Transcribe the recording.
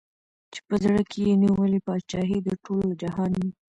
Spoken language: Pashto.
چي په زړه کي یې نیولې پاچهي د ټول جهان وي